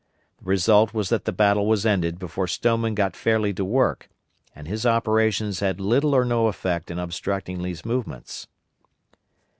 The result was that the battle was ended before Stoneman got fairly to work, and his operations had little or no effect in obstructing Lee's movements.